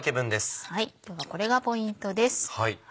今日はこれがポイントです。